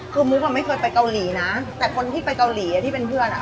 คือมุกอ่ะไม่เคยไปเกาหลีนะแต่คนที่ไปเกาหลีที่เป็นเพื่อนอ่ะ